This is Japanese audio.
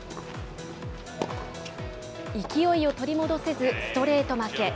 勢いを取り戻せず、ストレート負け。